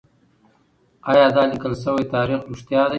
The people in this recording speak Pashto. ايا دا ليکل شوی تاريخ رښتيا دی؟